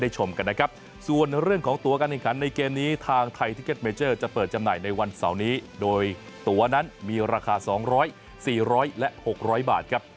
จะเปิดจำหน่ายในวันเสาร์นี้โดยตัวนั้นมีราคา๒๐๐๔๐๐และ๖๐๐บาทครับ